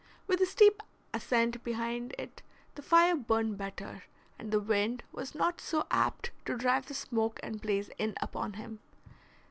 With a steep ascent behind it the fire burned better, and the wind was not so apt to drive the smoke and blaze in upon him.